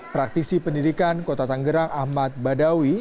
praktisi pendidikan kota tanggerang ahmad badawi